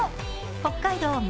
北海道み